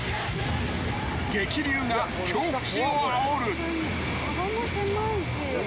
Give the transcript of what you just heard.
［激流が恐怖心をあおる］